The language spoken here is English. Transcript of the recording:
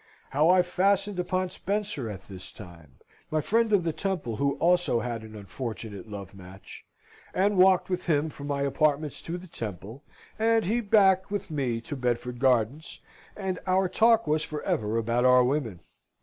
How I fastened upon Spencer at this time (my friend of the Temple who also had an unfortunate love match), and walked with him from my apartments to the Temple, and he back with me to Bedford Gardens, and our talk was for ever about our women!